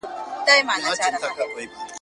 د پسرلي په شنه بګړۍ کي انارګل نه یمه `